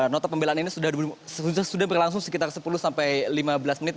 nota pembelaan ini sudah berlangsung sekitar sepuluh sampai lima belas menit